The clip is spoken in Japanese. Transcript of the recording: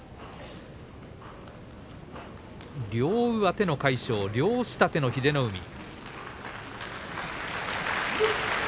両上手の魁勝両下手の英乃海。